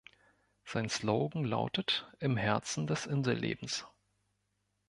Sein Slogan lautet: „Im Herzen des Insellebens“.